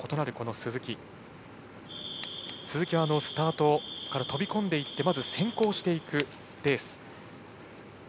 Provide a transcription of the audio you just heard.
鈴木はスタートから飛び込んでいってまず先行していくレース。